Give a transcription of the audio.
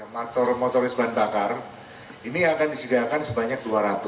motor motoris bandakar ini akan disediakan sebanyak dua ratus